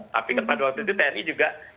tapi kan pada waktu itu tni juga